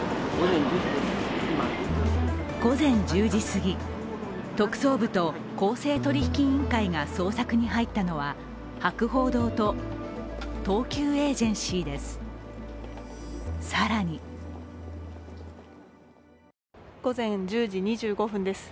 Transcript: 午前１０時過ぎ、特捜部と公正取引委員会が捜索に入ったのは博報堂と東急エージェンシーです。